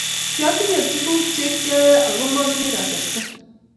kiatinye tuguk che kiayoe ako maatinye kasarta